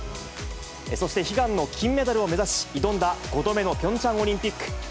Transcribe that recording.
そして、悲願の金メダルを目指し、挑んだ５度目のピョンチャンオリンピック。